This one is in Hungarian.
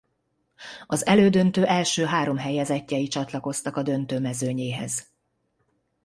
Az elődöntő első három helyezettjei csatlakoztak a döntő mezőnyéhez.